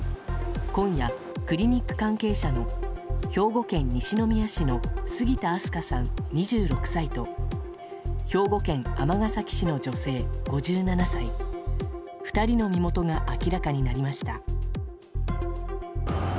今夜、クリニック関係者の兵庫県西宮市の杉田明日香さん、２６歳と兵庫県尼崎市の女性、５７歳２人の身元が明らかになりました。